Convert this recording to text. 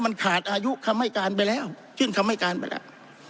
มันขาดอายุคำให้การไปแล้วยื่นคำให้การไปแล้ว